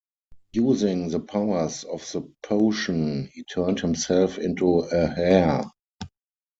Using the powers of the potion he turned himself into a hare.